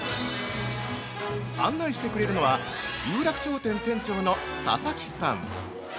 案内してくれるのは有楽町店・店長の佐々木さん。